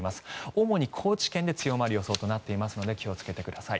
主に高知県で強まる予想となっていますので気をつけてください。